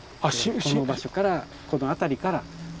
この場所からこの辺りから出土したと。